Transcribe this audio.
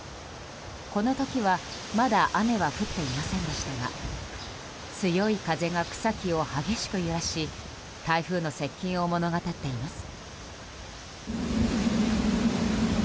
この時はまだ雨は降っていませんでしたが強い風が草木を激しく揺らし台風の接近を物語っています。